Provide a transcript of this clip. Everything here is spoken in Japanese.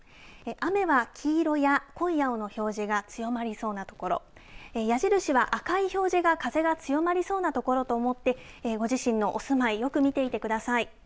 雨は黄色や濃い青の表示が強まりそうな所矢印は赤い表示が風が強まりそうな所と思ってご自身のお住まいよく見ていてください。